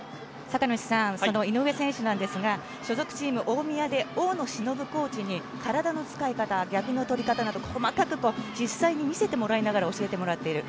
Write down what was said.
酒主さんその井上選手なんですが所属チーム大宮で大野忍コーチに体の使い方逆の取り方など細かく実際に見せてもらいながら教えてもらっている。